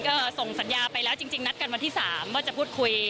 ก็ส่งสัญญาไปแล้วจริงนัดกันวันที่๓ว่าจะพูดคุย